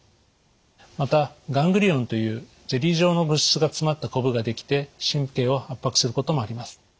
またガングリオンというゼリー状の物質が詰まったコブができて神経を圧迫することもあります。